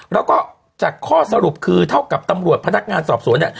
แล้วก็จากข้อสรุปคือเท่ากับตำรวจพนักงานสอบสวนเนี่ย